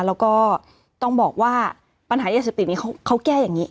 แล้วก็ต้องบอกว่าปัญหายาเสพติดนี้เขาแก้อย่างนี้